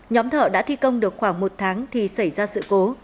nhóm thợ đã thi công được khoảng một tháng thì xảy ra sự cố